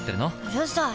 うるさい！